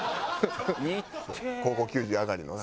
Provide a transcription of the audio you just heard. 高校球児上がりのな。